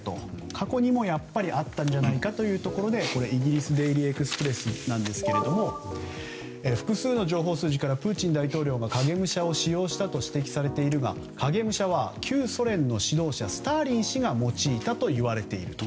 過去にもやっぱりあったんじゃないかとイギリスデイリー・エクスプレスですが複数の情報筋からプーチン大統領が影武者を使用したと指摘されているが影武者は旧ソ連の指導者スターリン氏が用いたといわれていると。